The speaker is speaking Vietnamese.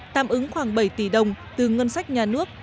tạm ứng khoảng bảy tỷ đồng từ ngân sách nhà nước